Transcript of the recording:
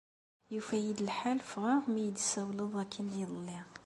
Yufa-yi-d lḥal ffɣeɣ mi yi-d-tessawleḍ akken iḍelli.